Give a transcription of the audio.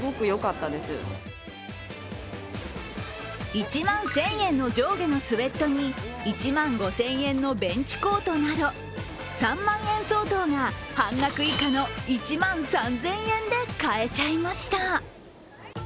１万１０００円の上下のスエットに１万５０００円のベンチコートなど、３万円相当が半額以下の１万３０００円で買えちゃいました。